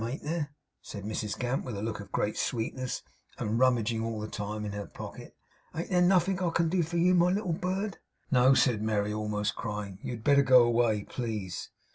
Ain't there,' said Mrs Gamp, with a look of great sweetness, and rummaging all the time in her pocket; 'ain't there nothink I can do for you, my little bird?' 'No,' said Merry, almost crying. 'You had better go away, please!